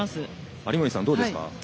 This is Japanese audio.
有森さん、どうですか？